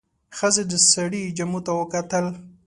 ښځې د سړي جامو ته وکتل.